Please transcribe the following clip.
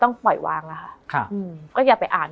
มันทำให้ชีวิตผู้มันไปไม่รอด